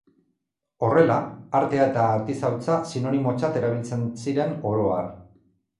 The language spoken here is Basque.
Horrela, artea eta artisautza sinonimotzat erabiltzen ziren oro har.